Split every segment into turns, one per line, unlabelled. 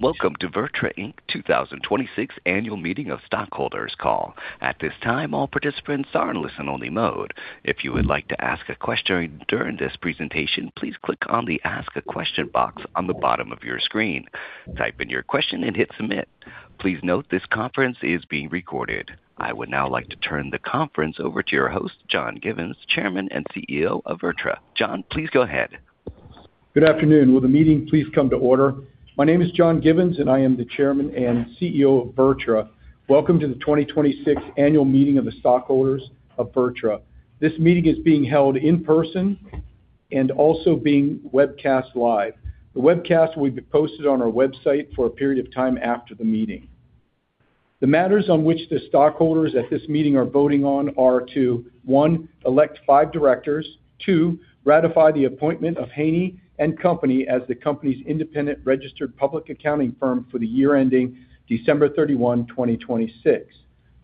Welcome to VirTra, Inc. 2026 Annual Meeting of Stockholders call. At this time, all participants are in listen-only mode. If you would like to ask a question during this presentation, please click on the Ask a Question box on the bottom of your screen, type in your question and hit Submit. Please note this conference is being recorded. I would now like to turn the conference over to your host, John Givens, Chairman and CEO of VirTra. John, please go ahead.
Good afternoon. Will the meeting please come to order? My name is John Givens, and I am the Chairman and CEO of VirTra. Welcome to the 2026 Annual Meeting of the Stockholders of VirTra. This meeting is being held in person and also being webcast live. The webcast will be posted on our website for a period of time after the meeting. The matters on which the stockholders at this meeting are voting on are to, one, elect five directors. two, ratify the appointment of Haynie & Company as the company's independent registered public accounting firm for the year ending December 31, 2026.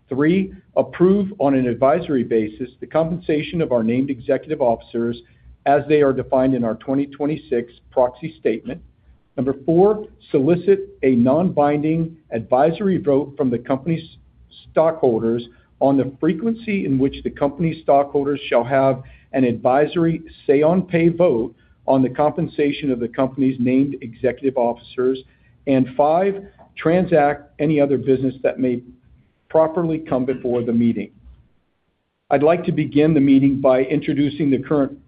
three, approve on an advisory basis the compensation of our named executive officers as they are defined in our 2026 proxy statement. Number four, solicit a non-binding advisory vote from the company's stockholders on the frequency in which the company's stockholders shall have an advisory say-on-pay vote on the compensation of the company's named executive officers. Five, transact any other business that may properly come before the meeting. I'd like to begin the meeting by introducing the current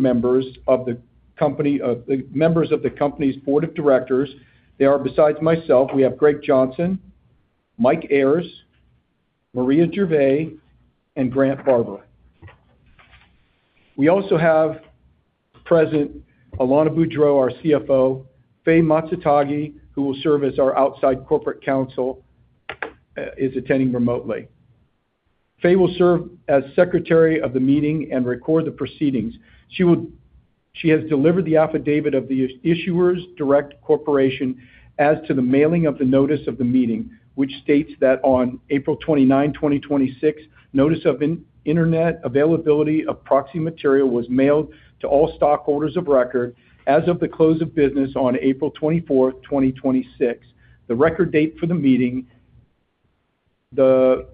members of the company's board of directors. They are, besides myself, we have Gregg Johnson, Mike Ayers, Maria Gervais, and Grant Barber. We also have present Alanna Boudreau our CFO. Fay Matsukage, who will serve as our Outside Corporate Counsel, is attending remotely. Fay will serve as secretary of the meeting and record the proceedings. She has delivered the affidavit of Issuer Direct Corporation as to the mailing of the notice of the meeting, which states that on April 29, 2026, notice of internet availability of proxy material was mailed to all stockholders of record as of the close of business on April 24, 2026, the record date for the meeting. The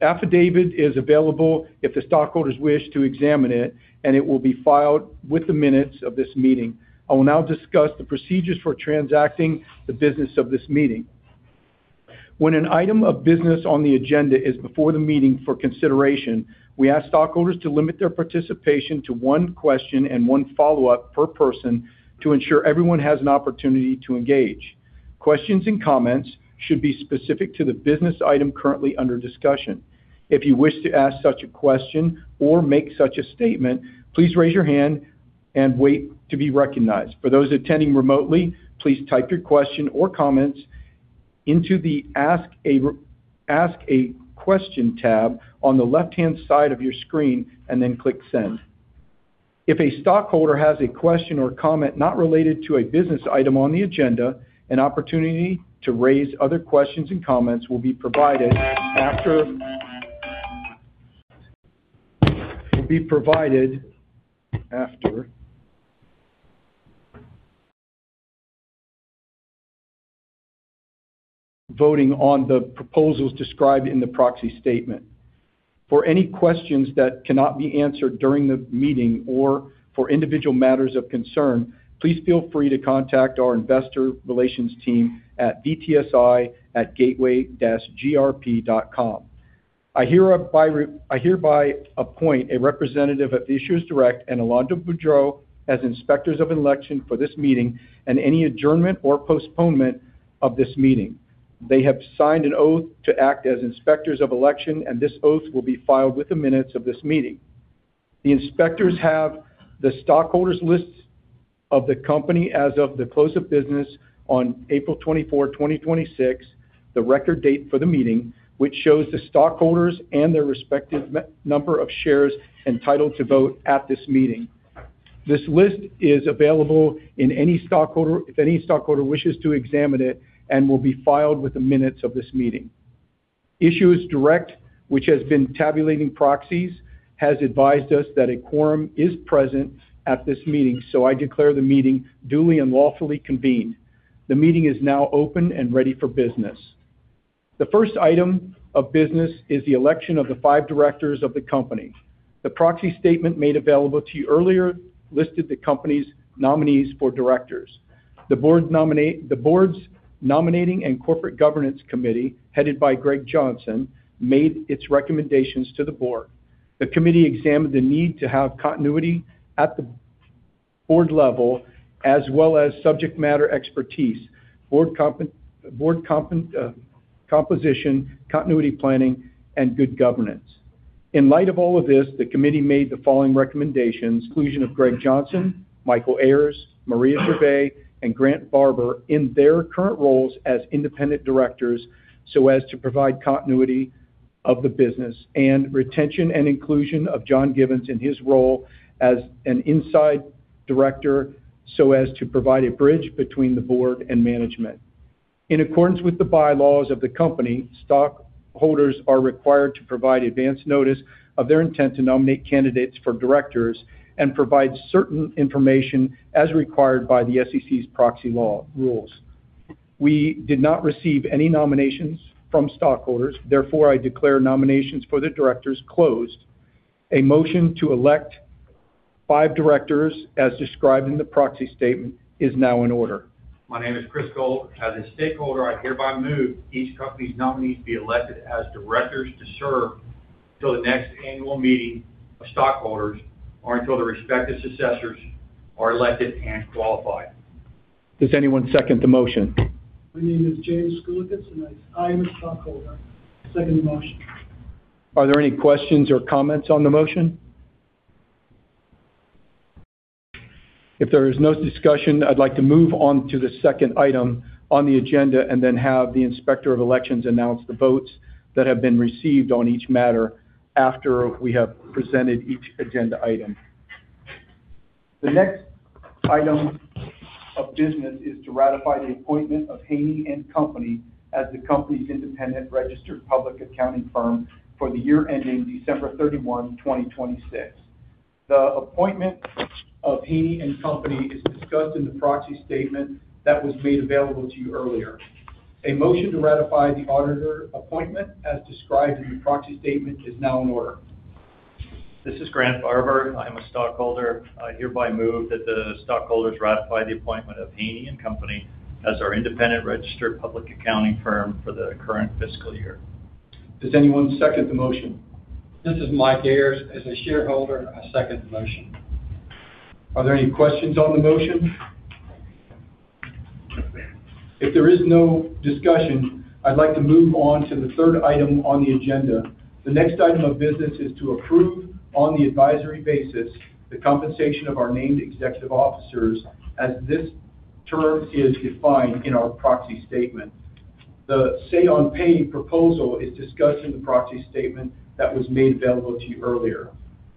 affidavit is available if the stockholders wish to examine it, and it will be filed with the minutes of this meeting. I will now discuss the procedures for transacting the business of this meeting. When an item of business on the agenda is before the meeting for consideration, we ask stockholders to limit their participation to one question and one follow-up per person to ensure everyone has an opportunity to engage. Questions and comments should be specific to the business item currently under discussion. If you wish to ask such a question or make such a statement, please raise your hand and wait to be recognized. For those attending remotely, please type your question or comments into the Ask a Question tab on the left-hand side of your screen and then click Send. If a stockholder has a question or comment not related to a business item on the agenda, an opportunity to raise other questions and comments will be provided after voting on the proposals described in the proxy statement. For any questions that cannot be answered during the meeting or for individual matters of concern, please feel free to contact our investor relations team at vtsi@gateway-grp.com. I hereby appoint a representative of Issuer Direct and Alanna Boudreau as inspectors of election for this meeting and any adjournment or postponement of this meeting. They have signed an oath to act as inspectors of election, and this oath will be filed with the minutes of this meeting. The inspectors have the stockholders' lists of the company as of the close of business on April 24, 2026, the record date for the meeting, which shows the stockholders and their respective number of shares entitled to vote at this meeting. This list is available if any stockholder wishes to examine it and will be filed with the minutes of this meeting. Issuer Direct, which has been tabulating proxies, has advised us that a quorum is present at this meeting. I declare the meeting duly and lawfully convened. The meeting is now open and ready for business. The first item of business is the election of the five directors of the company. The proxy statement made available to you earlier listed the company's nominees for directors. The board's Nominating and Corporate Governance Committee, headed by Gregg Johnson, made its recommendations to the board. The committee examined the need to have continuity at the board level as well as subject matter expertise, board composition, continuity planning, and good governance. In light of all of this, the committee made the following recommendations: inclusion of Gregg Johnson, Michael Ayers, Maria Gervais, and Grant Barber in their current roles as independent directors to provide continuity of the business, and retention and inclusion of John Givens in his role as an inside director, so as to provide a bridge between the board and management. In accordance with the bylaws of the company, stockholders are required to provide advance notice of their intent to nominate candidates for directors and provide certain information as required by the SEC's proxy law rules. We did not receive any nominations from stockholders. Therefore, I declare nominations for the directors closed. A motion to elect five directors as described in the proxy statement is now in order.
My name is Chris Gold. As a stakeholder, I hereby move each company's nominees be elected as directors to serve till the next annual meeting of stockholders, or until their respective successors are elected and qualified.
Does anyone second the motion?
My name is James Skulikas, and I am a stockholder. Second the motion.
Are there any questions or comments on the motion? If there is no discussion, I'd like to move on to the second item on the agenda, and then have the Inspector of Elections announce the votes that have been received on each matter after we have presented each agenda item. The next item of business is to ratify the appointment of Haynie & Company as the company's independent registered public accounting firm for the year ending December 31, 2026. The appointment of Haynie & Company is discussed in the proxy statement that was made available to you earlier. A motion to ratify the auditor appointment as described in the proxy statement is now in order.
This is Grant Barber. I am a stockholder. I hereby move that the stockholders ratify the appointment of Haynie & Company as our independent registered public accounting firm for the current fiscal year.
Does anyone second the motion?
This is Mike Ayers. As a shareholder, I second the motion.
Are there any questions on the motion? If there is no discussion, I'd like to move on to the third item on the agenda. The next item of business is to approve, on the advisory basis, the compensation of our named executive officers as this term is defined in our proxy statement. The say on pay proposal is discussed in the proxy statement that was made available to you earlier.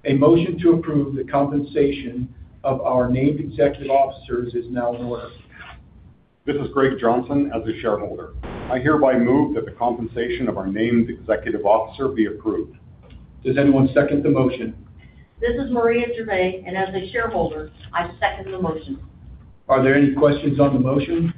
A motion to approve the compensation of our named executive officers is now in order.
This is Gregg Johnson. As a shareholder, I hereby move that the compensation of our named executive officer be approved.
Does anyone second the motion?
This is Maria Gervais. As a shareholder, I second the motion.
Are there any questions on the motion?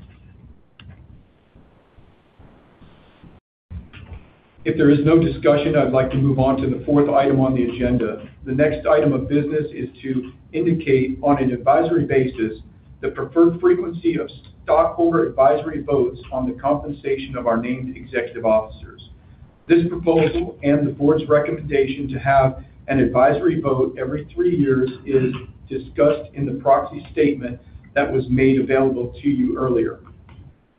If there is no discussion, I'd like to move on to the fourth item on the agenda. The next item of business is to indicate, on an advisory basis, the preferred frequency of stockholder advisory votes on the compensation of our named executive officers. This proposal and the board's recommendation to have an advisory vote every three years is discussed in the proxy statement that was made available to you earlier.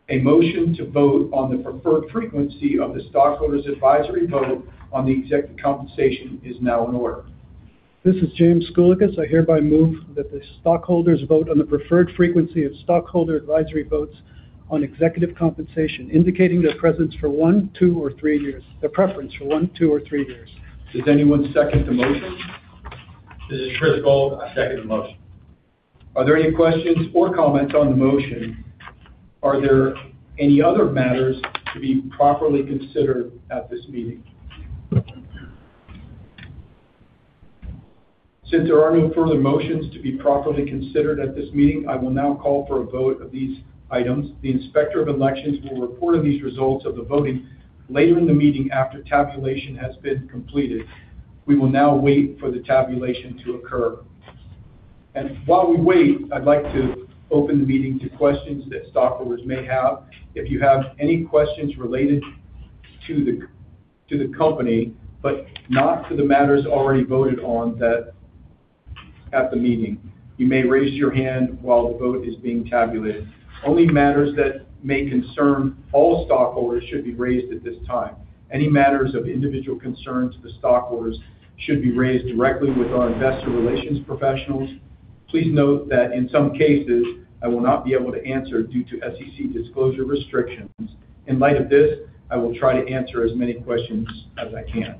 A motion to vote on the preferred frequency of the stockholders' advisory vote on the executive compensation is now in order.
This is James Skulikas. I hereby move that the stockholders vote on the preferred frequency of stockholder advisory votes on executive compensation, indicating their presence for one, two, or three years. Their preference for one, two, or three years.
Does anyone second the motion?
This is Chris Gold. I second the motion.
Are there any questions or comments on the motion? Are there any other matters to be properly considered at this meeting? Since there are no further motions to be properly considered at this meeting, I will now call for a vote of these items. The Inspector of Elections will report on these results of the voting later in the meeting after tabulation has been completed. We will now wait for the tabulation to occur. While we wait, I'd like to open the meeting to questions that stockholders may have. If you have any questions related to the company, but not to the matters already voted on at the meeting, you may raise your hand while the vote is being tabulated. Only matters that may concern all stockholders should be raised at this time. Any matters of individual concern to the stockholders should be raised directly with our investor relations professionals. Please note that in some cases, I will not be able to answer due to SEC disclosure restrictions. In light of this, I will try to answer as many questions as I can.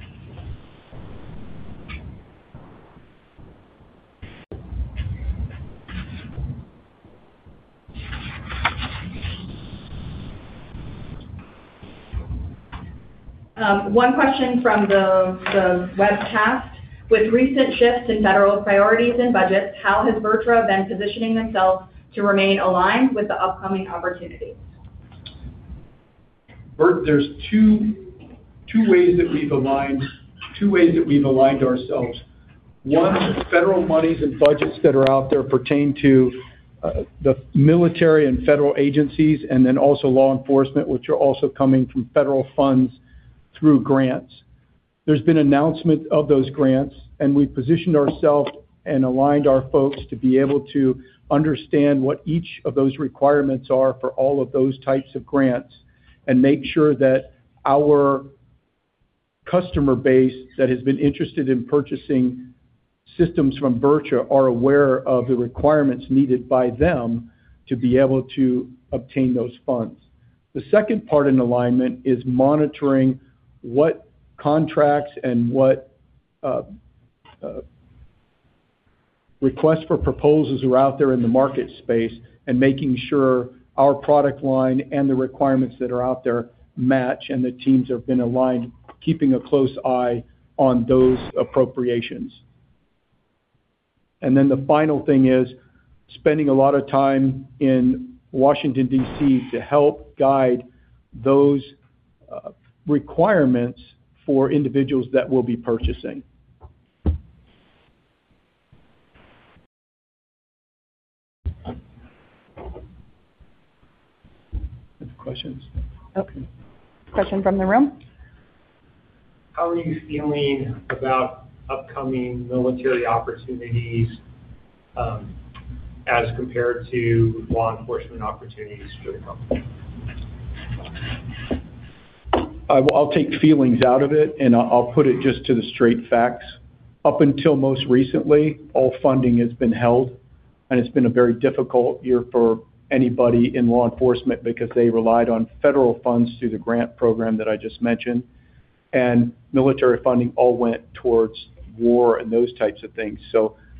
One question from the webcast. With recent shifts in federal priorities and budgets, how has VirTra been positioning themselves to remain aligned with the upcoming opportunities?
There's two ways that we've aligned ourselves. One, federal monies and budgets that are out there pertain to the military and federal agencies. Also law enforcement, which are also coming from federal funds through grants. There's been announcement of those grants. We've positioned ourselves and aligned our folks to be able to understand what each of those requirements are for all of those types of grants, Make sure that our customer base that has been interested in purchasing systems from VirTra are aware of the requirements needed by them to be able to obtain those funds. The second part in alignment is monitoring what contracts and what requests for proposals are out there in the market space, Make sure our product line and the requirements that are out there match. The teams have been aligned, keeping a close eye on those appropriations. The final thing is spending a lot of time in Washington, D.C., to help guide those requirements for individuals that will be purchasing. Any questions?
Okay. Question from the room.
How are you feeling about upcoming military opportunities as compared to law enforcement opportunities for the company?
I'll take feelings out of it, I'll put it just to the straight facts. Up until most recently, all funding has been held, it's been a very difficult year for anybody in law enforcement because they relied on federal funds through the grant program that I just mentioned. Military funding all went towards war and those types of things.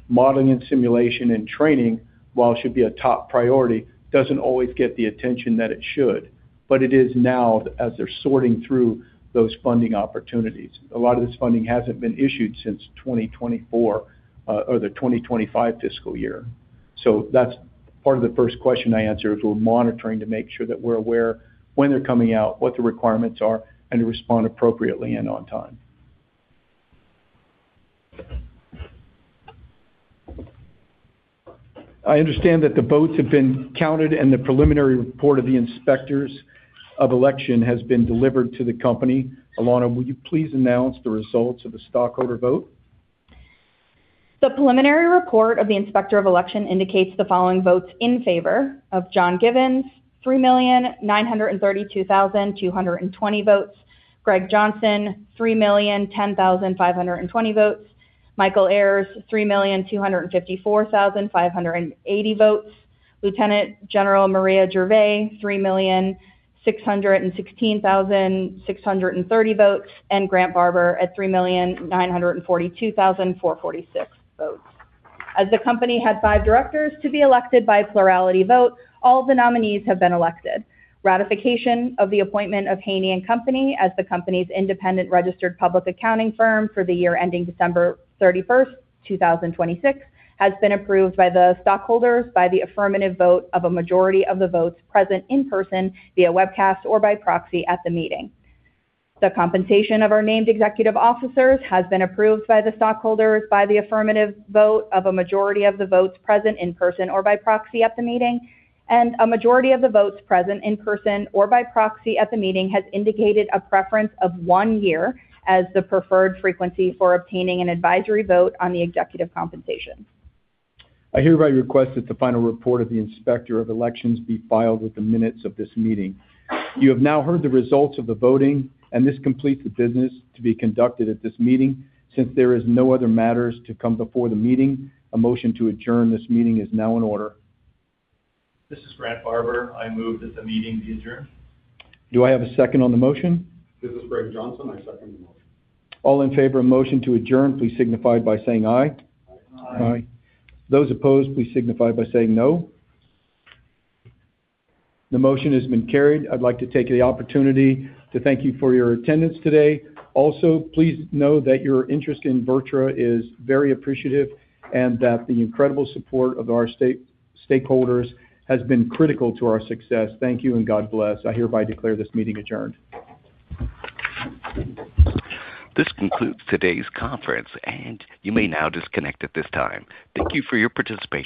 Modeling and simulation and training, while it should be a top priority, doesn't always get the attention that it should. It is now, as they're sorting through those funding opportunities. A lot of this funding hasn't been issued since 2024, or the 2025 fiscal year. That's part of the first question I answered, is we're monitoring to make sure that we're aware when they're coming out, what the requirements are, and to respond appropriately and on time. I understand that the votes have been counted and the preliminary report of the inspectors of election has been delivered to the company. Alanna, will you please announce the results of the stockholder vote?
The preliminary report of the inspector of election indicates the following votes in favor of John Givens, 3,932,220 votes. Gregg Johnson, 3,010,520 votes. Michael Ayers, 3,254,580 votes. Lieutenant General Maria Gervais, 3,616,630 votes. Grant Barber at 3,942,446 votes. As the company had five directors to be elected by plurality vote, all of the nominees have been elected. Ratification of the appointment of Haynie & Company as the company's independent registered public accounting firm for the year ending December 31st, 2026, has been approved by the stockholders by the affirmative vote of a majority of the votes present in person via webcast or by proxy at the meeting. The compensation of our named executive officers has been approved by the stockholders by the affirmative vote of a majority of the votes present in person or by proxy at the meeting. A majority of the votes present in person or by proxy at the meeting has indicated a preference of one year as the preferred frequency for obtaining an advisory vote on the executive compensation.
I hereby request that the final report of the inspector of elections be filed with the minutes of this meeting. You have now heard the results of the voting, and this completes the business to be conducted at this meeting. Since there is no other matters to come before the meeting, a motion to adjourn this meeting is now in order.
This is Grant Barber. I move that the meeting be adjourned.
Do I have a second on the motion?
This is Gregg Johnson. I second the motion.
All in favor of motion to adjourn, please signify by saying aye.
Aye.
Those opposed, please signify by saying no. The motion has been carried. I'd like to take the opportunity to thank you for your attendance today. Also, please know that your interest in VirTra is very appreciative and that the incredible support of our stakeholders has been critical to our success. Thank you, and God bless. I hereby declare this meeting adjourned.
This concludes today's conference, and you may now disconnect at this time. Thank you for your participation